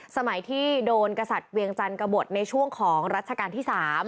สมัยที่โดนกษัตริย์เวียงจันทร์กระบดในช่วงของรัชกาลที่๓